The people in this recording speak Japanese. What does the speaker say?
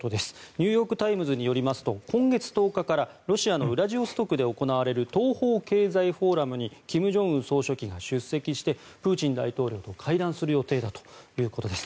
ニューヨーク・タイムズによりますと今月１０日からロシアのウラジオストクで行われる東方経済フォーラムに金正恩総書記が出席してプーチン大統領と会談する予定だということです。